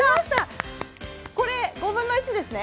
これ、５分の１ですね？